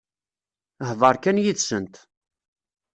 Hḍeṛ kan yid-sent.